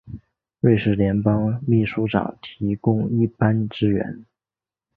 瑞士联邦秘书长提供一般支援。